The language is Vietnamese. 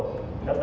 pháp luật tất đai